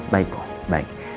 baik bu baik